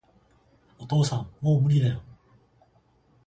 お父さん、もう無理だよ